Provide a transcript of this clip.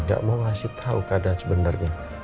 gak mau ngasih tau keadaan sebenernya